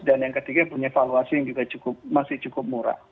dan yang ketiga punya valuasi yang juga masih cukup murah